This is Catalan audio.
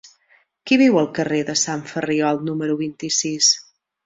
Qui viu al carrer de Sant Ferriol número vint-i-sis?